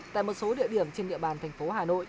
tại một số địa điểm trên địa bàn thành phố hà nội